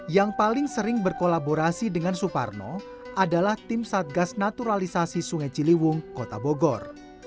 yang paling sering berkolaborasi dengan suparno adalah tim satgas naturalisasi sungai ciliwung kota bogor